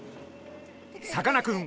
さかなクン